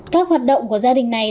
các hoạt động của gia đình này